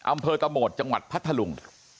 อำเภอตะโหมดจังหวัดพัทธลุง